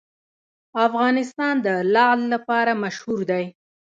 افغانستان د لعل لپاره مشهور دی.